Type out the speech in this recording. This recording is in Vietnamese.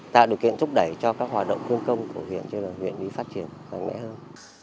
tạo điều kiện thúc đẩy cho các hoạt động khuyến công của huyện cho huyện đi phát triển mạnh mẽ hơn